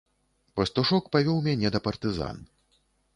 Пастушок павёў мяне да партызан.